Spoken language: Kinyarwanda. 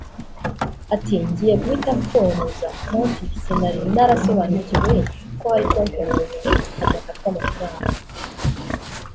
Ati “Ngiye guhita mpfunguza konti sinari narasobanukiwe ko hari konti umuntu adakatwa amafaranga[